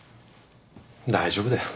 大丈夫だよ。